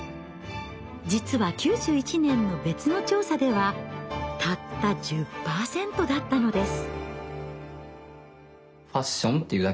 実は９１年の別の調査ではたった１０％だったのです。